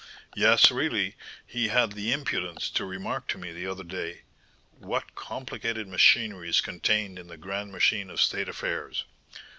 Yes, really, he had the impudence to remark to me the other day, 'What complicated machinery is contained in the grand machine of state affairs!